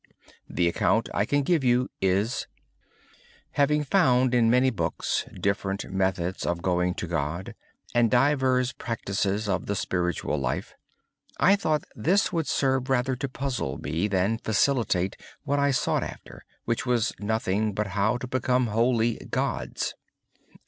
The account I can give you is: Having found in many books different methods of going to God and divers practices of the spiritual life, I thought this would serve rather to puzzle me than facilitate what I sought after, which was nothing but how to become wholly God's.